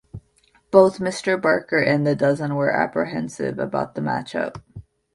Both Mr. Barker and The Dozen were apprehensive about the match up.